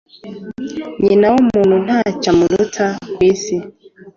nyina wumuntu nta cyamuruta kwisi